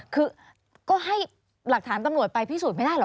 คือก็ให้หลักฐานตำรวจไปพิสูจน์ไม่ได้เหรอ